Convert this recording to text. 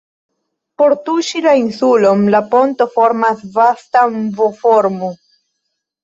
Por tuŝi la insulon la ponto formas vastan V-formon.